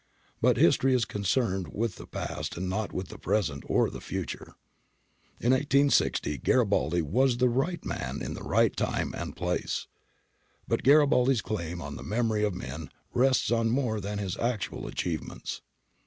But history is concerned with the past and not with the present or future. In i860 Garibaldi was the right man in the right time and place. But Garibaldi's claim on the memory of men rests on more than his actual achievements.